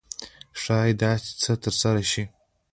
ښایي داسې څه ترسره شي.